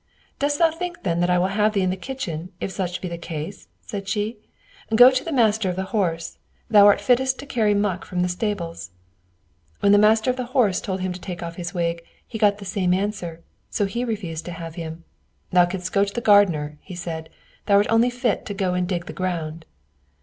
"Dost thou think then that I will have thee in the kitchen, if such be the case?" said she; "go to the master of the horse: thou art fittest to carry muck from the stables." When the master of the horse told him to take off his wig, he got the same answer, so he refused to have him. "Thou canst go to the gardener," said he, "thou art only fit to go and dig the ground."